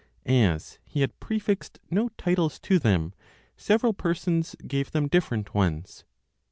As he had prefixed no titles to them, several persons gave them different ones.